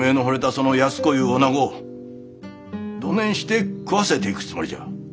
その安子いうおなごをどねんして食わせていくつもりじゃ。